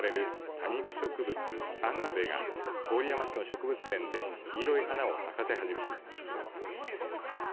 多肉植物アガベが郡山市の植物園で黄色い花を咲かせ始めています。